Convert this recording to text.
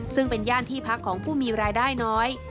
ซึ่งเป็นย่านที่พักของผู้มีรายได้น้อย